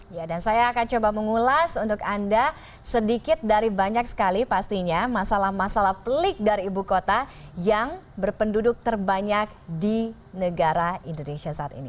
ya dan saya akan coba mengulas untuk anda sedikit dari banyak sekali pastinya masalah masalah pelik dari ibu kota yang berpenduduk terbanyak di negara indonesia saat ini